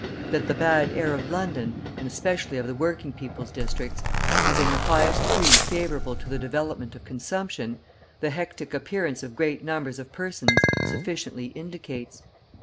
That the bad air of London, and especially of the working people's districts, is in the highest degree favourable to the development of consumption, the hectic appearance of great numbers of persons sufficiently indicates.